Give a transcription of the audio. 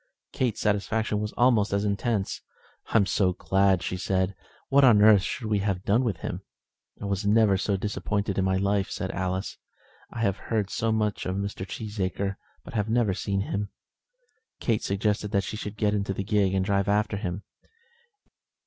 Kate's satisfaction was almost as intense. "I am so glad," said she. "What on earth should we have done with him?" "I never was so disappointed in my life," said Alice. "I have heard so much of Mr. Cheesacre, but have never seen him." Kate suggested that she should get into the gig and drive after him.